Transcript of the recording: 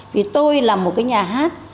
vì tôi là một cái nhà hát